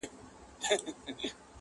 په ځان غټ یمه غښتلی تر هر چا یم،